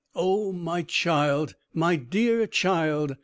"Oh, my child, my dear child!"